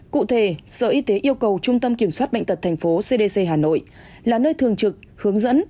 cụ thể sở y tế yêu cầu trung tâm kiểm soát bệnh tật tp cdc hà nội là nơi thường trực hướng dẫn